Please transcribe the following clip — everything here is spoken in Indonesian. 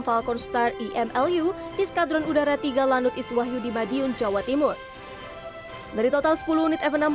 falcon star imlu di skadron udara tiga lanut iswahyu di madiun jawa timur dari total sepuluh unit f enam belas